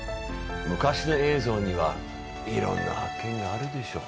昔の映像にはいろんな発見があるでしょう。